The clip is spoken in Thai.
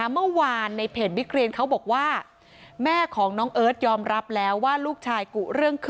มันเหมือนน้องเอิร์ทอย่าง๙๙๙๙